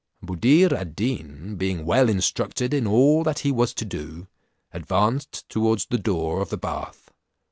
Buddir ad Deen, being well instructed in all that he was to do, advanced towards the door of the bath.